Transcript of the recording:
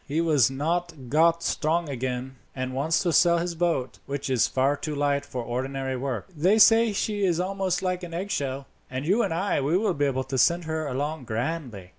He has not got strong again, and wants to sell his boat, which is far too light for ordinary work. They say she is almost like an eggshell, and you and I will be able to send her along grandly.